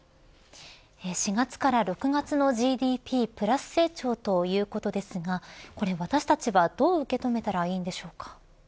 ４月から６月のＧＤＰプラス成長ということですがこれ、私たちはどう受け止めたらいいんでしょうか。